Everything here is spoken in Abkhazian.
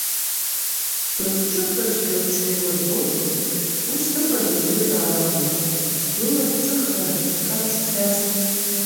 Длахҿыхызшәа лҽилырбозу, ус дыҟазу изеилкаауамызт, лылахҿыхра ихамышҭхьази.